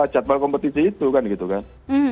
jadwal kompetisi itu kan gitu kan